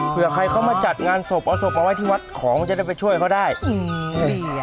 เพื่อใครเขามาจัดงานศพเอาศพมาไว้ที่วัดของจะได้ไปช่วยเขาได้อืม